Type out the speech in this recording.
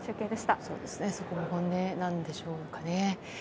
そこが本音なんでしょうかね。